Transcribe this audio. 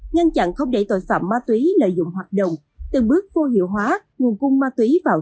ngăn chặn không để tội phạm ma túy lợi dụng hoạt động từng bước vô hiệu hóa nguồn cung ma túy vào